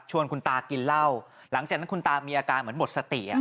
คุณตากินเหล้าหลังจากนั้นคุณตามีอาการเหมือนหมดสติ